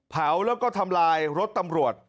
เผาแล้วก็ทำลายรถตำรวจ